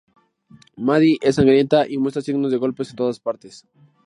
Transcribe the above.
Maddie es sangrienta y muestra signos de golpes en todas partes.